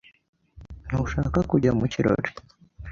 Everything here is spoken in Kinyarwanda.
Ntushaka kujya mu kirori?